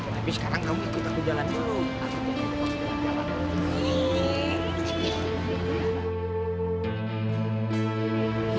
tapi sekarang kamu ikut aku jalan dulu